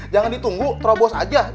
jangan ditunggu terobos aja